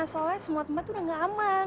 soalnya semua tempat udah gak aman